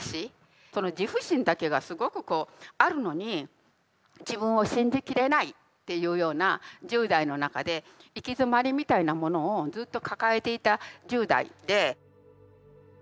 その自負心だけがすごくこうあるのに自分を信じ切れないっていうような１０代の中で行き詰まりみたいなものをずっと抱えていた１０代で。